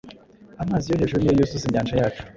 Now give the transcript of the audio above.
amazi yo hejuru niyo yuzuza inyanja yacu,